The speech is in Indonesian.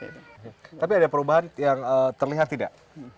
tapi ada perubahan yang terlihat tidak